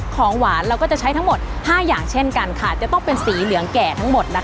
ของหวานเราก็จะใช้ทั้งหมด๕อย่างเช่นกันค่ะจะต้องเป็นสีเหลืองแก่ทั้งหมดนะคะ